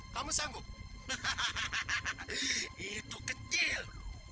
kamu sanggup itu kecil